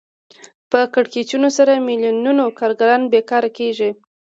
په کړکېچونو سره میلیونونو کارګران بېکاره کېږي